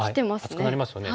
厚くなりますよね。